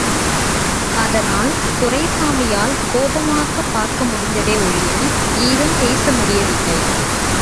அதனால், துரைசாமியால் கோபமாகப் பார்க்கமுடிந்ததே ஒழிய, ஏதும் பேச முடியவில்லை.